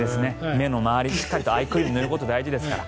目の周りにしっかりとアイクリームを塗ること大事ですから。